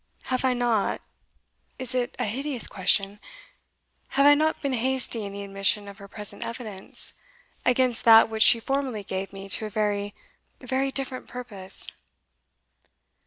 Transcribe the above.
Have I not it is a hideous question have I not been hasty in the admission of her present evidence, against that which she formerly gave me to a very very different purpose?"